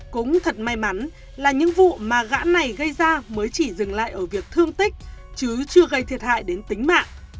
cũng thật may mắn là những vụ mà gã này gây ra mới chỉ dừng lại ở việc thương tích chứ chưa gây thiệt hại đến tính mạng